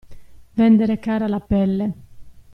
Vendere cara la pelle.